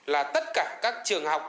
là tất cả các trường học